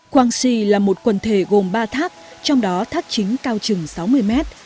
quang si là một quần thể gồm ba thác trong đó thác chính cao chừng sáu mươi mét